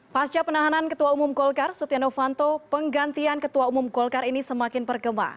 pasca penahanan ketua umum golkar sutyano fanto penggantian ketua umum golkar ini semakin bergema